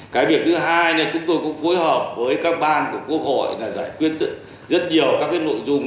cái việc thứ hai là chúng tôi cũng phối hợp với các ban của quốc hội là giải quyết rất nhiều các cái nội dung